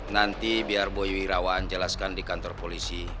nanti biar boy rawan jelaskan di kantor polisi